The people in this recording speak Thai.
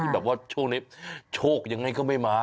แบบว่าช่วงนี้โชคยังไงก็ไม่มา